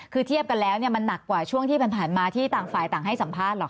คือเทียบกันแล้วมันหนักกว่าช่วงที่ผ่านมาที่ต่างฝ่ายต่างให้สัมภาษณ์หรอก